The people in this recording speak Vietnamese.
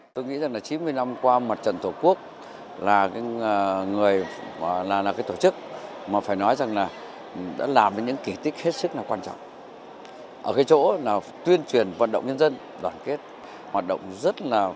bên lề lễ kỷ niệm chín mươi năm ngày thành lập mặt trận dân tộc thống nhất việt nam